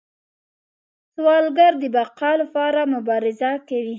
سوالګر د بقا لپاره مبارزه کوي